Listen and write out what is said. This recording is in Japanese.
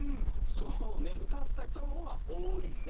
そうねうたったひとのほうがおおいね。